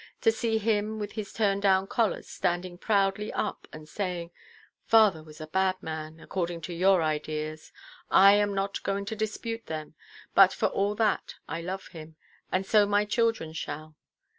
To see him with his turn–down collars standing proudly up, and saying, 'Father was a bad man—according to your ideas—I am not going to dispute them—but for all that I love him, and so my children shall.